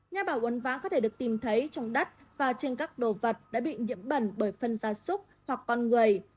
nhà bảo uốn vá có thể được tìm thấy trong đất và trên các đồ vật đã bị nhiễm bẩn bởi phân gia súc hoặc con người